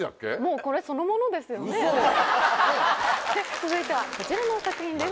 続いてはこちらの作品です。